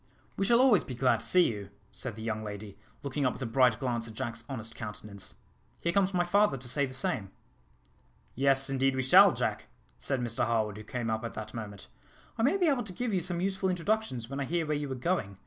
"We shall always be glad to see you," said the young lady, looking up with a bright glance at Jack's honest countenance. "Here comes my father to say the same." "Yes, indeed we shall, Jack," said Mr Harwood, who came up at that moment. "I may be able to give you some useful introductions, when I hear where you are going.